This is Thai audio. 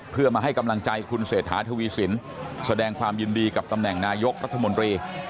เพื่อมาให้กำลังใจคุณเศรษฐาทวีสินแสดงความยินดีกับตำแหน่งนายกรัฐมนตรี